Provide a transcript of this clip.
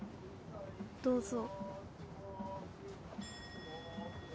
どうぞ。